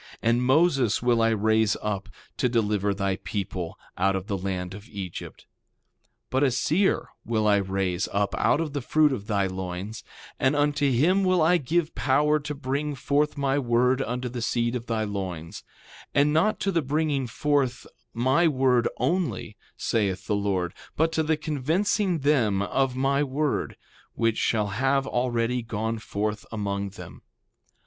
3:10 And Moses will I raise up, to deliver thy people out of the land of Egypt. 3:11 But a seer will I raise up out of the fruit of thy loins; and unto him will I give power to bring forth my word unto the seed of thy loins—and not to the bringing forth my word only, saith the Lord, but to the convincing them of my word, which shall have already gone forth among them.